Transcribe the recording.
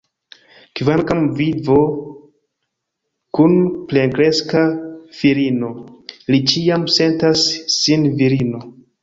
Kvankam vidvo, kun plenkreska filino, li ĉiam sentas sin virino.